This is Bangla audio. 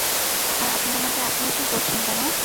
আর আপনি আমাকে আপনি-আপনি করছেন কেন?